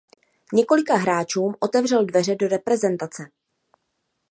Několika hráčům otevřel dveře do reprezentace.